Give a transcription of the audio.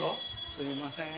すいません。